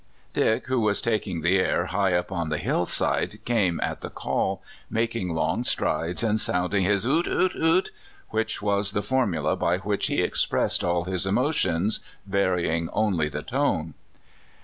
" Dick, who was taking the air high up on the hillside, came at the call, making long strides, and sounding his " Oot, oot, oot," which was the for mula by which he expressed all his emotions, vary ing only the tone.